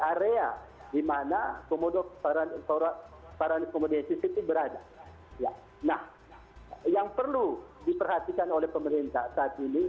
area dimana komodo para komodesis itu berada nah yang perlu diperhatikan oleh pemerintah saat ini